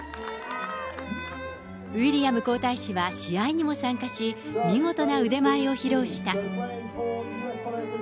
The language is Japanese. ウィリアム皇太子は試合にも参加し、見事な腕前を披露した。